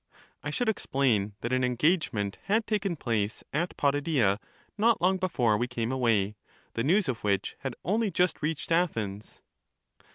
— (I should explain that an en gagement had taken place at Potidaea not long before we came away, the news of which had only just reached Athens.)